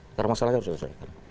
akar masalah harus diselesaikan